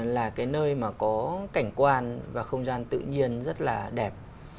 là cái nơi mà có cảnh quan và không gian tự nhiên rất là đẹp